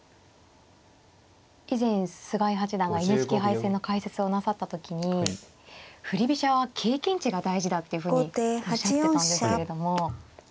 以前菅井八段がＮＨＫ杯戦の解説をなさった時に振り飛車は経験値が大事だっていうふうにおっしゃってたんですけれども。